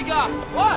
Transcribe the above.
おい！